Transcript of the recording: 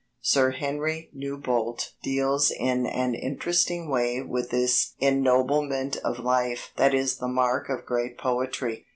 Sir Henry Newbolt deals in an interesting way with this ennoblement of life that is the mark of great poetry.